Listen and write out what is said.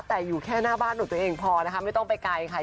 แต่อยู่แค่หน้าบ้านของตัวเองพอนะคะไม่ต้องไปไกลค่ะ